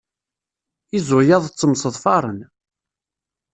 Izuyaḍ ttemseḍfaren.